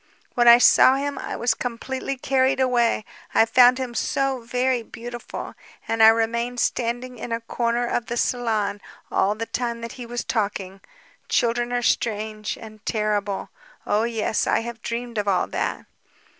When I saw him I was completely carried away, I found him so very beautiful; and I remained standing in a corner of the salon all the time that he was talking. Children are strange ... and terrible. Oh yes ... I have dreamed of all that.